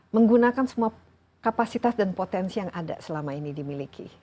menggunakan semua kapasitas dan potensi yang ada selama ini dimiliki